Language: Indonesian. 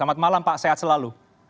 selamat malam pak sehat selalu